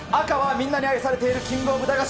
みんなに愛されている、キング・オブ・駄菓子。